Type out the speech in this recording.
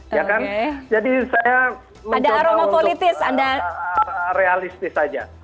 jadi saya mencoba untuk realistis saja